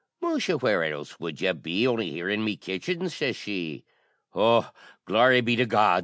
"Musha! where else would ye be on'y here in my kitchen?" shashee. "O, glory be to God!"